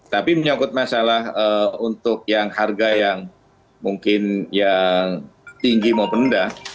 tapi menyangkut masalah untuk yang harga yang mungkin yang tinggi maupun rendah